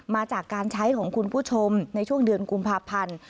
มาจากการใช้ของคุณผู้ชมในช่วงเดือนกุมภาพันธ์